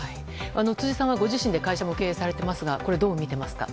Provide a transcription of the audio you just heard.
辻さんはご自身で会社も経営されていますがこれをどう見ていますか？